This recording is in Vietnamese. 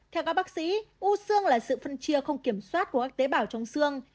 theo các bác sĩ u xương là sự phân chia không kiểm soát của các tế bào trong xương